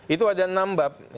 itu ada enam bab